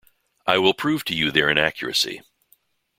I will prove to you their inaccuracy.